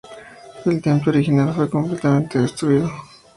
El templo original fue completamente destruido.